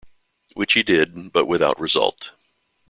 Which he did, but without result.